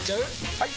・はい！